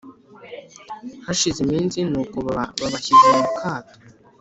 hashize iminsi nuko baba babashyize mu kato